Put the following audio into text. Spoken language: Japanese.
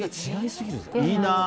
いいな。